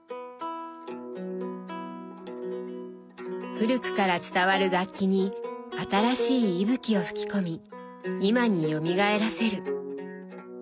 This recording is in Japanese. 古くから伝わる楽器に新しい息吹を吹き込み今によみがえらせる。